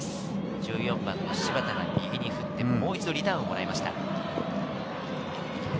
１４番の芝田が右に振って、もう一度リターンをもらいました。